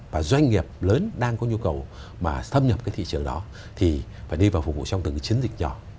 và đi vào phục vụ trong từng cái chiến dịch nhỏ